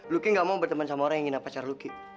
ruki gak mau berteman sama orang yang ngine pacar ruki